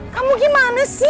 kamu gimana sih